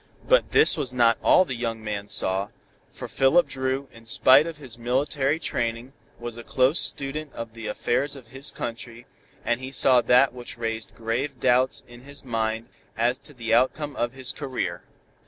But this was not all the young man saw, for Philip Dru, in spite of his military training, was a close student of the affairs of his country, and he saw that which raised grave doubts in his mind as to the outcome of his career.